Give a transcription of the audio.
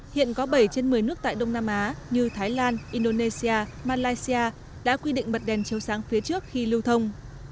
hiện có bảy trên một mươi nước tại đông nam á như thái lan indonesia malaysia đã quy định bật đèn chiếu sáng phía trước khi lưu thông